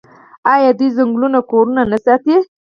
آیا دوی ځنګلونه او کورونه نه ساتي؟